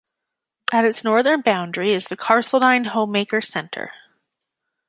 At its northern boundary is the Carseldine Homemaker Centre.